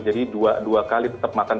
jadi dua kali tetap makan